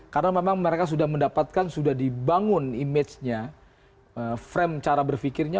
karena memang mereka sudah mendapatkan sudah dibangun image nya frame cara berpikirnya